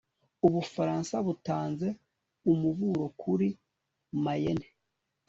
ubufaransa batanze umuburo kuri mayenne